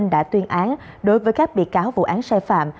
đã tuyên án đối với các bị cáo vụ án sai phạm